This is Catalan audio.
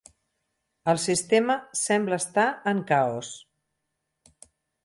El sistema sembla estar en caos.